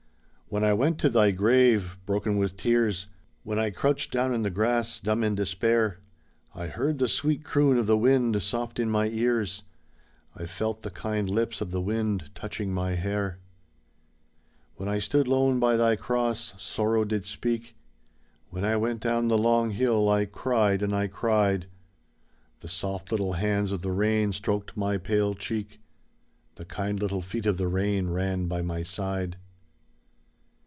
When I went to thy grave, broken with tears, When I crouched down in the grass, dumb in despair, I heard the sweet croon of the wind soft in my ears, I felt the kind lips of the wind touching my hair. When I stood lone by thy cross, sorrow did speak. When I went down the long hill, I cried and I cried. The soft little hands of the rain stroked my pale cheek. The kind little feet of the rain ran by my side.